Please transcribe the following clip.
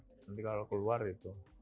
nanti kalau keluar itu